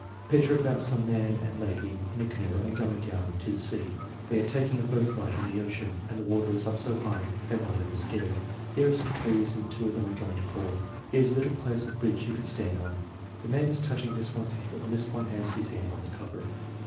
"Picture about some man and lady in a canoe and going down to the sea." "They are taking a boat ride on the ocean and the water is up 192 THE MEASTJEEMENT OF INTELLIGENCE so high that one of them is scared. Here are some trees and two of them are going to fall down. Here's a little place or bridge you can stand on. The man is touching this one's head and this one has his hand on the cover."